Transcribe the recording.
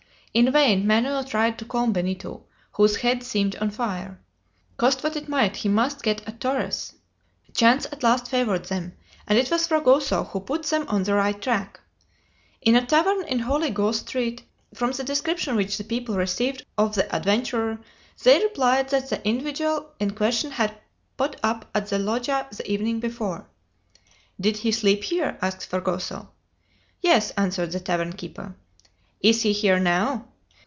In vain Manoel tried to calm Benito, whose head seemed on fire. Cost what it might, he must get at Torres! Chance at last favored them, and it was Fragoso who put them on the right track. In a tavern in Holy Ghost Street, from the description which the people received of the adventurer, they replied that the individual in question had put up at the loja the evening before. "Did he sleep here?" asked Fragoso. "Yes," answered the tavern keeper. "Is he here now?"